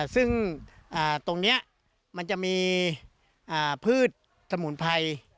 ซึ่งตรงนี้มันจะมีพืชสมุนไพร